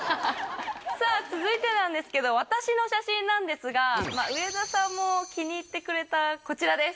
さぁ続いてなんですけど私の写真なんですが上田さんも気に入ってくれたこちらです。